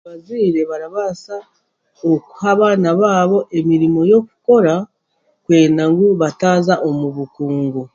Abazaire barabaasa okuha abaana baabo emirimo y'okukora kwenda ngu bataaza omu bukungu.